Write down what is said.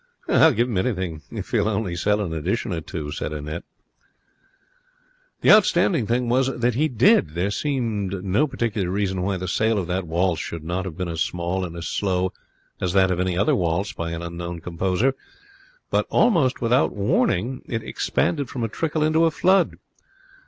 'I'll give him anything if he'll only sell an edition or two,' said Annette. The outstanding thing was that he did. There seemed no particular reason why the sale of that waltz should not have been as small and as slow as that of any other waltz by an unknown composer. But almost without warning it expanded from a trickle into a flood.